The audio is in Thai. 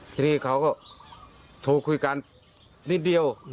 ทีนี้เขาก็โทรคุยกันนิดเดียว